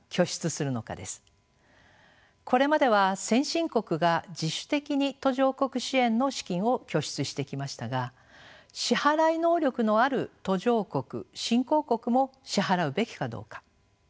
これまでは先進国が自主的に途上国支援の資金を拠出してきましたが支払い能力のある途上国新興国も支払うべきかどうか。